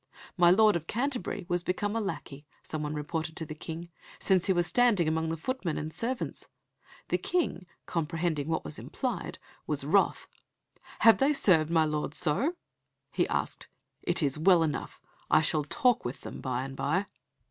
My lord of Canterbury was become a lacquey, some one reported to the King, since he was standing among the footmen and servants. The King, comprehending what was implied, was wroth. "Have they served my lord so?" he asked. "It is well enough; I shall talk with them by and by."